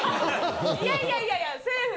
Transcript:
いやいやいやいや、セーフ。